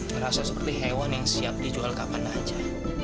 merasa seperti hewan yang siap dijual kapan saja